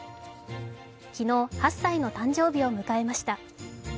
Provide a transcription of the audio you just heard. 昨日、８歳の誕生日を迎えました。